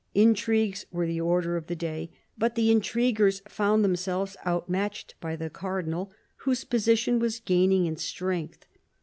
Intrigues were the order of the day, but the intriguers found themselves outmatched by the cardinal, whose position was gaining in strength.